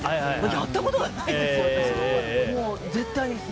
やったことがないですよ、私絶対に。